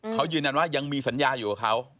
เขายืนยันว่ายังมีสัญญาอยู่กับเขา